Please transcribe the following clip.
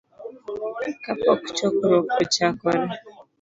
kapok chokruok ochakore.